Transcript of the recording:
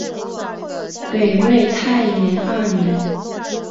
北魏太延二年。